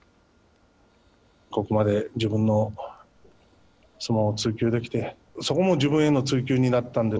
ここまで自分の相撲を追求できてそこも自分への追求になったので。